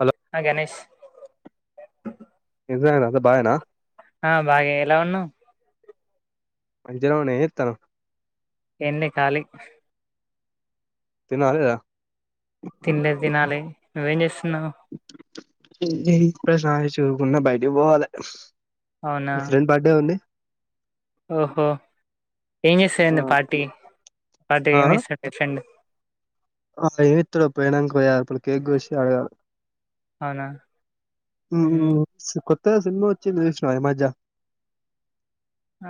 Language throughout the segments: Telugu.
హలో ఆ గణేష్ ఏ సంగతీ అంత భాగాన ఆ బాగే ఎలా ఉన్నవ్ మంచిగనేన్న ఏమిజేతన్ ఎన్ని కాలి తిన్నా లేదా తినలేదు తినాలి నువ్వేం చేస్తునవ్ ఏ ప్రస చకున్నా బైటికి పోవాలే అవునా ఫ్రెండ్ బర్డే ఉంది ఓహో ఏం ఆ చేస్తారండి పార్టీ పార్టీ ఏం ఇస్తాడు మీ ఫ్రిండ్ ఆ ఎమిత్తాడో పోయినంకప్పుడు కేక్ గోసి వచ్చి అడగా అవునా ఉమ్ కొత్తగా సినిమా వచ్చింది చూసినవ ఈమధ్య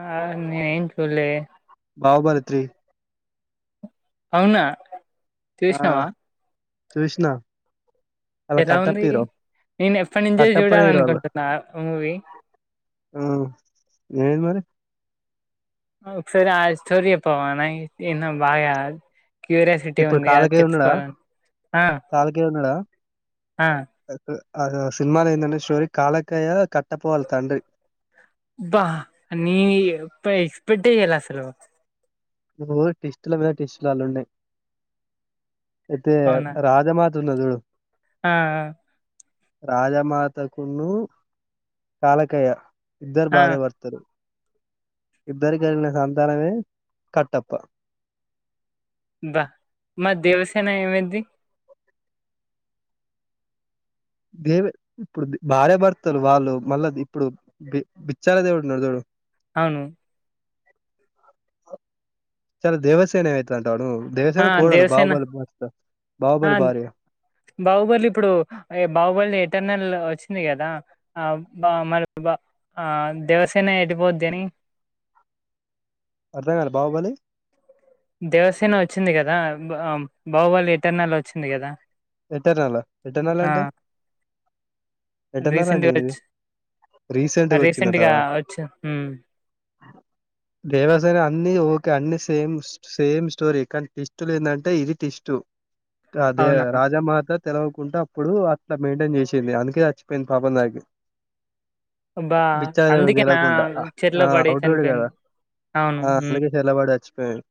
ఆ నేనేం చూలే బాహుబలి త్రీ అవునా ఆ చూసినావా చూష్నా ఎలా ఉంది నేను ఎప్పటి నుంచో కట్టప్పనే జూడాల హీరో అనుకుంటున్నా మూవీ ఆ ఏంది మరి ఆ ఒకసారి ఆ స్టోరీ చెప్పవా నాకి ఇందాం బాగా క్యూరియాసిటీ ఉంది అది తెచ్కోవాలని ఆ కాలికేయ ఉన్నాడా ఆ అ ఆ సినిమాల ఎందంటే స్టోరి కాలకేయ కట్టప్ప వాళ్ల తండ్రి బా అన్నీ అబ్బా ఎక్స్పెక్టే చేయలె అసలు నువు టిస్టుల మీద టిస్టులలా ఉండే అయితే అవునా రాజమా దున్నతుడు ఆ రాజమాతకున్ను కాలకయ్య ఇద్దరు ఆ, భార్య భర్తలు ఇద్దరికి కలిగిన సంతానమే కట్టప్ప బా మరీ దేవసేన ఏమైంది దే ఇప్పుడు భార్యభర్తలు వాళ్ళు మళ్ళా ఇప్పుడు బి బిచ్చాల దేవుడు ఉన్నారు చోడు అవును చలో దేవసేన ఏమైతాదంటవా నువు ఆ దేవసేన కోడలు దేవసేన బాుహుబలి భర్త ఆ బాహుబలి భార్య బాహుబలి ఇప్పుడు బాహుబలి ఎటర్నల్ వచ్చింది కదా ఆ బా మరి బా ఆ దేవసేన ఎటుపోద్ది అని అర్థం కాలే బాహుబలి దేవసేన వచ్చింది కదా బాహుబలి ఇటర్నల్ లో వచ్చింది కదా ఇటర్నల్ ఆ ఇటర్నల్ ఆ అంటే ఎటర్నల్ అంటే రీసెంట్గా ఏంటిది వచ్చు రీసెంట్ గా వచ్చిందట రీసెంట్గా వచ్చు ఊ దేవసేన అన్నీ ఓకే అన్నీ సేమ్ సేమ్ స్టోరీ కానీ టిస్టులు ఎందంటే ఇది టిస్టు అదే అవునా మాత తెలువకుండా అప్పుడు అట్లా మెయింటైన్ చేసింది అందుకే చచ్చిపోయింది పాపం దానికే బా బిచ్చల దేవునికి అందుకేనా తెలవకుండగ చెట్లో ఆ పడి అవిటోడు చనిపోయింది కదా అవును ఆ ఉమ్ అందుకే చర్ల పడి చచ్చిపోయిండు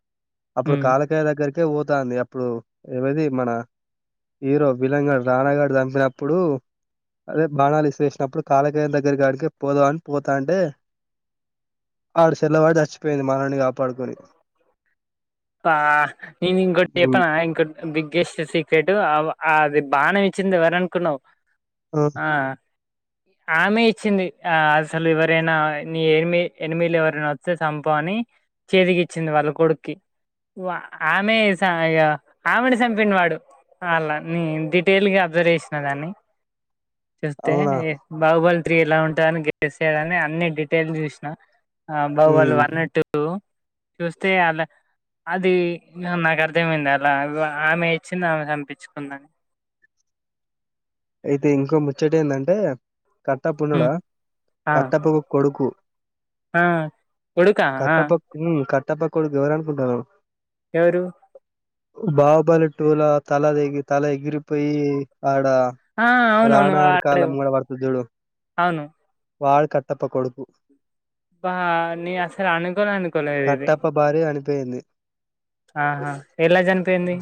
అప్పుడు ఉమ్ కాల కేయ దగ్గరకే పోతాంది అప్పుడు ఏవది మన హీరో విలన్గాడు రానా గాడు చంపినప్పుడు అదే బాణాలు ఇసిరేసినప్పుడు కాలకేయ దగ్గరగాడికే పోదాం అని పోతా అంటే ఆవిడ చెర్లో పడి చచ్చిపోయింది మనవడ్ని కాపాడుకొని ఆ నేన్ ఇంకోటి ఉమ్ చెప్పనా ఇంకో బిగ్గెస్ట్ సీక్రెట్ అది బానం ఇచ్చింది ఎవరనుకున్నావ్ ఆ ఆ ఆమె ఇచ్చింది ఆ అసలు ఎవరైనా నీ ఎనిమి ఎనిమిలు ఎవరైనా వస్తే చంపు అని చేతికిచ్చింది వాళ్ళ కొడుక్కి వ ఆమె స ఇగ ఆమెనే చంపిండు వాడు అలా నే డీటెయిల్గా అబ్జర్వ్ చేసిన దాన్ని చూస్తే అవునా బాహుబలి త్రీ ఎలా ఉంటాందిని గెస్ చేయాలని అన్ని డీటెయిల్ చూసినా ఆ ఉమ్ బాహుబలి వన్ టూ త్రీ టు చూస్తే అలా అది ఇంగ నాకు అర్థమైంది అలా అగొ ఆమె ఇచ్చింది ఆమె చంపించుకుందని అయితే ఇంకో ముచ్చట ఏందంటే కట్టప్ప హ్మ్. ఉన్నడా ఆ కట్టప్ప ఒక కొడుకు ఆ కొడుకా ఆ ఉమ్మ్ కట్టప్ప కొడుకు ఎవరు అనుకుంటానవ్ ఎవరు బాహుబలి టూల తల తెగి తల ఎగిరిపోయి ఆడ ఆ అవునవును రాణా గాడు కళ్ళ వాడు మంగ వర్తద్డు అవును వాడు కట్టప్ప కొడుకు అబ నేను అసలు అనుకోనే అనుకోలే కట్టప్ప భార్య చనిపోయింది ఆహా ఎలా చనిపోయింది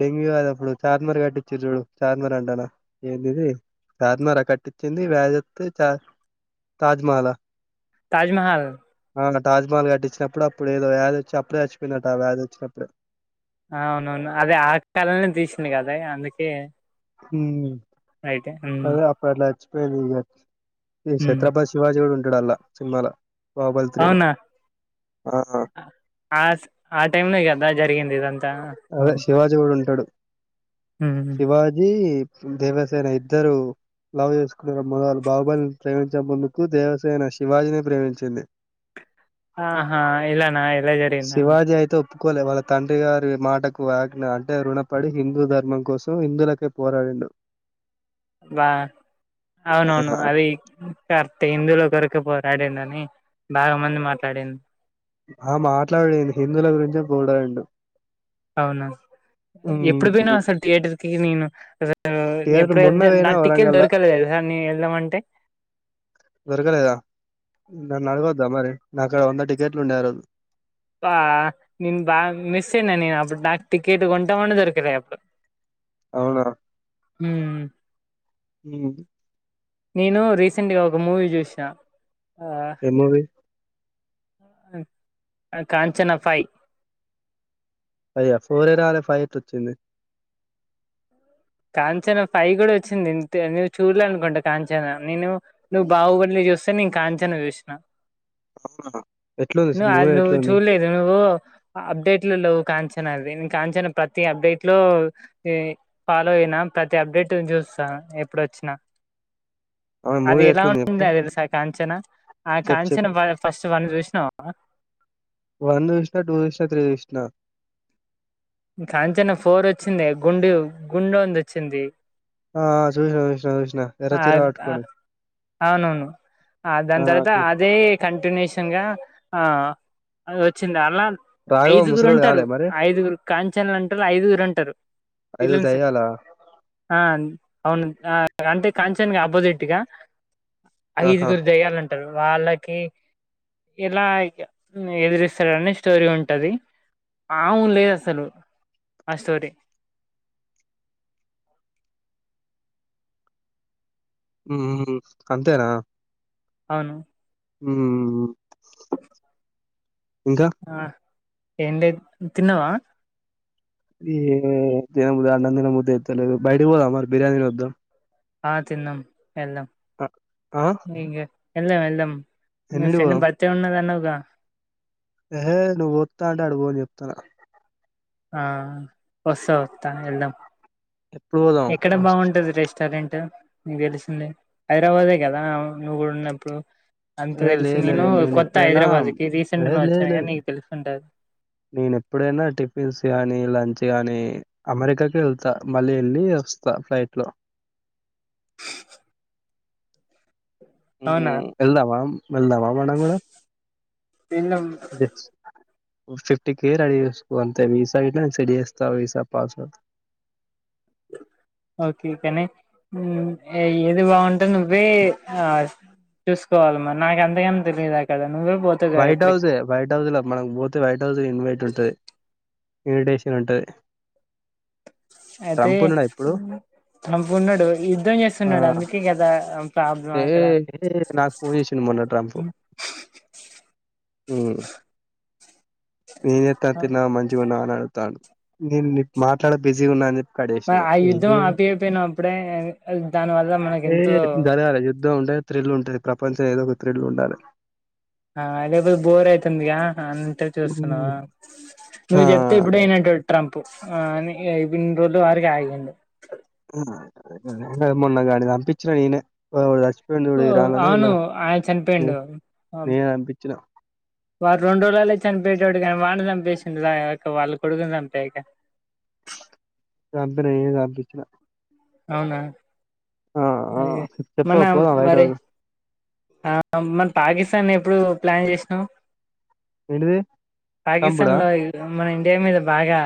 డెంగ్యూ కాదు అప్పుడు చార్మినార్ కట్టిచిరు చూడు చార్మినార్ అంటారు ఎంది ది చార్మినార్ ఆ కట్టించిది వ్యాజ్తే చ తాజ్మహల్ ఆ తాజ్మహల్ ఆ తాజ్మహల్ కటించిన్నపుడు అప్పుడు ఏదో వ్యాధి వచ్చి అప్పుడే చచ్చిపోయినట ఆ వ్యాధిచ్చినప్పుడు అవునవును అదే ఆ కలనే తీసింది కదా అందుకే హ రైటే ఉమ్ అట్లా చచ్చిపోయింది ఇక ఈ ఉమ్ ఛత్రపతి శివాజీ కూడా ఉంటాడు అల్లా సినిమాల బాహుబలి త్రీ ల అవునా ఆ ఆ ఆ టైమ్ లో కదా జరిగింది ఇదంత అదే శివాజీ కూడ ఉంటాడు ఉమ్ శివాజీ దేవసైన ఇద్దరు లవ్ చేసుకు ముందలు బాుబల్ని ప్రేమించే ముందుకు దేవసేన శివాజీని ప్రేమించింది ఆహా ఇలా నా ఎలా జరి శివాజీ అయితే ఓ ఒప్పుకోలే వాళ్ళ తండ్రి గారి మాటకు వా్యాగ్ఞ అంటే రుణపడి హిందూ ధర్మం కోసం హిందువులకే పోరాడిండు వా అవునవును అది త హిందులో కొరిక పోరాడిండు అని బాగ మంది మాట్లాడిండు ఆ మాట్లాడంది హిందువుల గురిం చె పోరాడిండు. అవున ఎప్పుడు పోయినావ్ అసలు థియేటర్ కి నేను థియేటర్ ఎప్పుడు మొన్న వె పోయినా నాకు టిక్కెట్లు వరంగల్లా దొరకలేదు నేను వెళ్దామంటే దొరకలేద నన్ను అడగొద్దా మరి నాకాడ వంద టికెట్లు ఉంద ఆ రోజు బ నెన్ బాగ మిస్ అయినా నేను అప్పుడు నాకు టికెట్ గొంటమ దొరికర అప్పు అవునా ఉమ్ హు నేను రీసెంట్ గా ఒక మూవీ చూసినా ఆ ఏం మూవీ అది కాంచన ఫైవ్ అయ్యా ఫోరె రాల ఫైవ్ ఎట్ల వచ్చింది కాంచనా పైవ్ కూడ వచ్చింది నువ్వు చూడల అనుకుంటావు కాంచనా నేను నువ్వు బాహుబలిచూస్తే నేను కాంచన చూసిన ఎట్లుంది నువ్ మూవీ అది ఎట్లుంది చూడలేదు నువ్వు అప్డేట్లో లేవు కాంచనా అది కాంచనా నేను ప్రతి అప్డేట్ లో ఫాలో అయినా ప్రతి అప్డేట్ నిచూస్తా ఎప్పుడు వచ్చిన ఆ అది మూవీ ఎలా ఎట్లుంది ఉంటంది చెప్పు అ తెలుసా ఆ కాంచనా ఆ చెప్పు కాంచనా చెప్పు బ ఫస్ట్ వన్ చూసినావ వన్ చూసిన టూ చూసిన త్రి చూసిన కాంచనా ఫోర్ వచ్చింది గుండు గుం డోంది వచ్చింది ఆ చూసిన చూసిన చూసిన ఆ అవునవును దాని ఆ తర్వాత చూస్ అదే కంటిన్యూషన్గా ఆ అ వచ్చింది అలా రాఘవ ఐదుగురు ముసలోడు ఉంటారు కాలే మరి ఐదుగురు కాంచన ఉంటారు ఐదుగురు ఉంటారు ఐదు విలన్స్ దెయ్యాల ఆ అవును అంతే కాంచన్గ అపోజిట్గా ఆహా ఐదుగురు దెయ్యాలు ఉంటారు వాళ్ళకి ఇలా ఎదిరిస్తాడని స్టోరీ ఉంటది మా ముల్ లేదు అసలు ఆ స్టోరీ ఊహు అంతేన అవున్ ఉమ్ ఇంకా ఆ ఏం లేదు తిన్నవా ఈ దిన అన్నం దిన బుద్ది అయితలేదు బయటికి పోదామ బిరియానీ తిని వద్దాం ఆ తిన్నాం ఎళ్దాం ఆ ఆ ఇగ వెళ్దాం వెళ్దాం మీ ఎన్నింటికి ఫ్రెండ్ పోదాం బర్త్డే ఉన్నది అన్నావుగా ఏహే నువ్వు ఓత్త అంటే అటు పోను చెప్తానా ఆ వస్తా వత్త వెళ్దాం ఎప్పుడు పోదాం ఎక్కడ వస్త- బాగుంటది రెస్టారెంట్ నీకు తెలిసిందే హైదరాబాదే కదా నువ్వు కూడా ఉన్నప్పుడు అంత ఏ తెలుసు లేదు నేను లేదు కొత్త ఎప్పుడైనా హైదరాబాద్ కి ఏ రీసెంట్ గా లేదు వచ్చాను లేదు గానీ నీకు తెలుసుంటది నేను ఎప్పుడైనా టిఫిన్స్ గానీ లంచ్ గానీ అమెరికాకే వెళ్తా మళ్ళీ వెళ్ళి వస్తా ఫ్లైట్లో అవునా వెళ్దామా వెళ్దామా మనం కూడా వీళ్ళు ఫిఫ్టీ కే రెడీ చేసుకో అంతే వీసా గిట్ల సెట్ చేస్తా వీసా పాస్పోర్ట్ ఓకే కానీ ఏది బాగుంటే నువ్వే ఆ చూసుకోవాలి మరి నాకు అంతగనం తెలీదు కదా నువ్వే పోతావుగా వైట్ ఎప్పటికి హౌసే వైట్ హౌస్ లో మనకు పోతే వైట్ హౌస్ లో ఇన్వైట్ ఉంటది ఇన్విటేషన్ ఉంటుంది అయితే ఉన్నడా ఇప్పుడు? [unintelligible] యుద్ధం ఆ! చేస్తున్నాడు అందుకే కదా ప్రాబ్లం ఏ అక్కడ ఏ నాకు ఫోన్ చేసిండు మొన్న ట్రంప్ ఏం చేస్తారు తిన్నావా మంచిగా ఉన్నావా అని అడుగుతాండు నేను మాట్లాడ బిజీగా ఉన్నా అని చెప్పి కట్ చేసిన మరి ఇగ. ఆ ఏం యుద్ధం చేయ ఆపెయ్యకపోయినా అప్పుడే దాని వల్ల మనకు ఎంతో ఉండాల యుద్ధం ఉంటే త్రిల్ ఉంటుంది ప్రపంచం ఏదో ఒక త్రిల్ ఉండాలే ఆ లేకపోతే బోర్ అవుతుందిగా అంతే ఉమ్, చూస్తున్నావా ఆ నువ్వు చెప్తే ఇప్పుడే అదే వినేటోడు ట్రంప్ అని ఇన్ని రోజుల వరకు ఆగిండు మొన్న గాన్నీ చంపించిన నేనే మొన్నొకడు చచ్చిపోయిండు ఓ చూడు ఇరాన్లనో ఎన్నో అవును ఆయన చనిపోయిండు నేనే చంపించిన వాడు రెండు రోజులల్ల చనిపోయేటోడు కానీ వాడిని చంపేసింది వాళ్ళ కొడుకుని చంపేయక చంపి నేనే చంపించిన అవునా ఆ ఆ అయ్యో మొన్న చెప్పవ పోదాం బయట మరి వరకు ఆ మరి పాకిస్తాన్ ఎప్పుడు ప్లాన్ చేసినవ్ ఏంటిది పాకిస్తాన్ చంపుడా లో మన ఇండియా మీద బాగా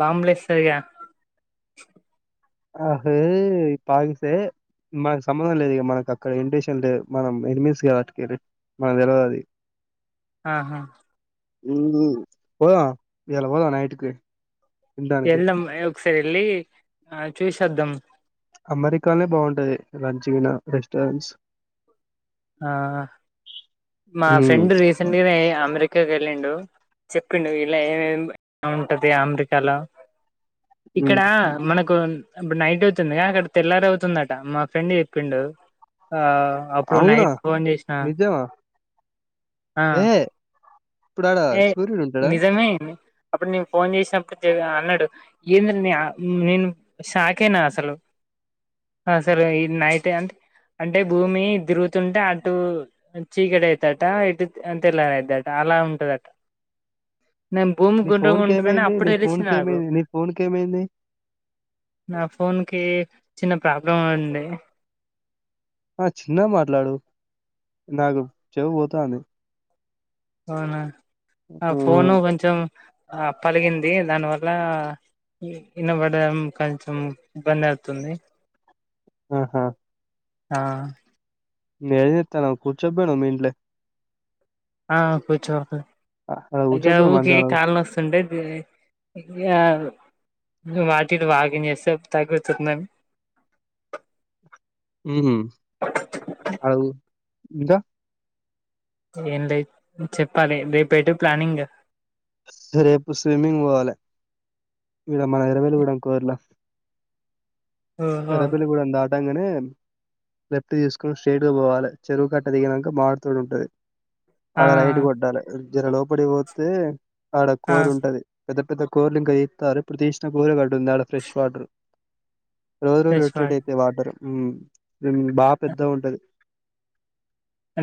బాంబులు వేస్తారుగా అహే పాకిసే మనకు సంబంధం లేదు ఇగా మనకి అక్కడ ఇడిటేషన్ లేదు మనం ఎనిమీస్ కాబట్టి మనకు తెలువదది ఆహా పోదామా ఇయ్యాల పోదామా నైట్ కి తినడానికి వెళ్దాం ఒకసారి వెళ్ళి ఆ చూసొద్దాం అమెరికానే బాగుంటది లంచ్ గినా రెస్టారెంట్స్ ఆ మా హ్మ్. ఫ్రెండ్ రీసెంట్ గానే అమెరికాకి వెళ్ళిండు చెప్పిండు ఇలా ఏమేమి ఉంటది అమెరికాల హ్మ్. ఇక్కడ మనకు ఇప్పుడు నైట్ అవుతుందిగా అక్కడ తెల్లారి అవుతుందట మా ఫ్రెండ్ చెప్పిండు ఆ అప్పుడు అవునా? నైట్ ఫోన్ చేసిన నిజమా? ఆ ఏహే! ఇప్పుడాడ ఏ సూర్యుడు ఉంటాడా? నిజమే అప్పుడు నేను ఫోన్ చేసినప్పుడు అన్నాడు ఏందిరా నేను షాకేనా అసలు అసలు ఈ నైట్ అంటే భూమి తిరుగుతుంటే అటు చీకటి అయితాదట ఇటు తెల్లారిందట అలా ఉంటందట నేను భూమి నీ గుండ్రగా ఉంటందని ఫోన్‌కేమైంది? అప్పుడు నీ తెలిసి నాకు ఫోన్‌కేమైంది? నీ ఫోన్‌కేమైంది? నా ఫోన్కి చిన్న ప్రాబ్లం ఉండే ఆ చిన్న మాట్లాడు నాకు చెవు పోతాంది అవునా ఆ ఫోను హ్మ్. కొంచెం పలిగింది దానివల్ల వినబడడం కొంచెం ఇబ్బంది అవుతుంది ఆహా ఆ ఏదైతే ఏమి కొచ్చకపోయినా మీండ్లే ఆ కూర్చో ఆ! ఆడ ఇంకా కూర్చోపోయినావు ఊక మంచాన. కళ్ళ నోస్త అంటే దీని ఇంకా వాటిని వాకింగ్ చేస్తే తగ్గుతుందని ఉహు అడుగు ఇకా ఏం లే చెప్పాలి రేపే ఎటు ప్లానింగ్ రేపు స్విమ్మింగ్ పోవాలి ఇడ మన ఇరవైలు కూడా కోరలా ఓహో ఎర్రపల్లి గూడెం దాటంగానే లెఫ్ట్ తీసుకుని స్ట్రేట్గా పోవాలి చెరువు కట్ట దిగినక మావిడ తోడు ఉంటాది ఆ ఆడ రైట్ కొట్టాలి జర లోపడికి పోతే ఆడ ఆ కోరి ఉంటది పెద్ద పెద్ద కోర్లు ఇంకా తెస్తారు ఎప్పుడూ తీసిన కోరి ఒకటి వుంది ఆడ ఫ్రెష్ వాటర్. రోజు రోజు రొట్రేట్ తెచ్చుకోవాలి అయితాయి వాటర్ ఉ ఉ బాగా పెద్ద ఉంటది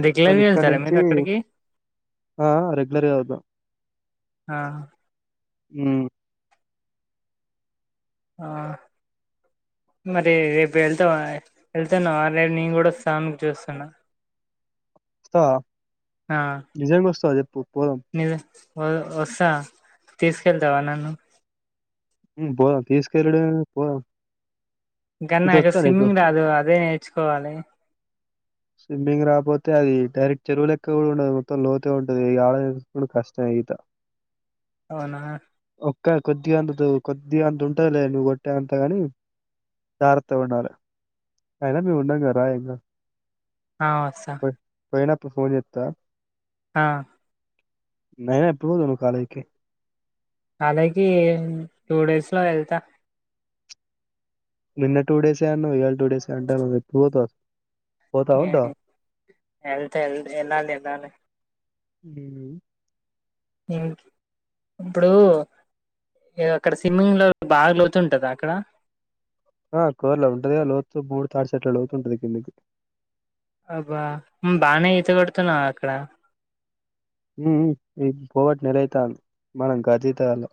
రెగ్యులర్ ఇప్పుడు గా ఇక్కడు వెళ్తారా నుంచి మీరు అక్కడికి ఆ రెగ్యులర్గా చదువుతాం ఆ ఉ ఆ మరి రేపు వెళ్తా వెళ్తున్నావ నేను కూడా స్వామిని చూస్తున్నా వస్తా వ నిజంగా వస్తా వ చెప్పు పోదాం నేనా వ వస్తా తీసుకెళ్తావా నన్ను ఉ పోదాం తీసుకెళ్ళుడు పోదాం ఇంకా ఇది నాక వచ్చా నీకు స్విమ్మింగ్ రాదు అదే నేర్చుకోవాలి స్విమ్మింగ్ రాపోతే అది డైరెక్ట్ చెరువు లెక్క కూడా ఉండదు మొత్తం లోత ఉంటది ఆడకి కూడా కష్టమే ఈత అవునా ఒక్క కొద్దిగా అంత కొద్ది అంత ఉంటదిలే నువ్వు కొట్టే అంతగాని జాగ్రతగా ఉండాలి అయినా మేము ఉన్నాం కద రా ఏంకా ఆ వస్తా పోయినపుడు ఫోన్ చెత్తా ఆ అయినా ఎప్పుడు పోతున్నావు కాలేజీకి కాలేజ్ కి టూ డేస్ లో వెళ్తా నిన్న టూ డేసే అన్నావు ఇవాళ టూ డేస్ అంటావు ఎప్పుడు పోతావు పోతావా ఉంటావా ఏంటి ఎళ్త్ ఎల్ ఎల్లాలి ఎల్లాలి ఉ ఇం ఇప్పుడు లేదు అక్కడ స్విమ్మింగ్ లో బాగా లోతు ఉంటదా అక్కడ ఆ కోర్లో ఉంటది గా లోతు ముడు తాటి చెట్ల లోతు ఉంటాది కిందికి అబ్బా ఉం బానే ఈత కొడుతున్నావా అక్కడ [unintelligible] ఇ పోవట్టీ నెలయితండి మనం గజఈతగలం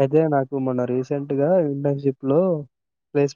అయితే నాకు మొన్న రీసెంట్ గా ఇంటర్న్షిప్ లో ప్లేస్